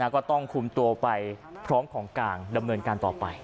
ก็ต้องคุมตัวไปพร้อมของกลางดำเนินการต่อไป